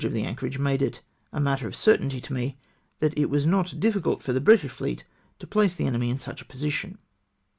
353 of the anchorage made it a matter of certainty to me, that it was not difficult for the British fleet to place the enemy in such a position.